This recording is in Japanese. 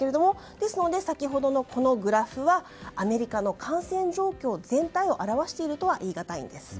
ですので、先ほどのグラフはアメリカの感染状況の全体を表しているとは言いがたいんです。